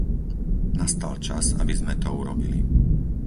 Nastal čas, aby sme to urobili.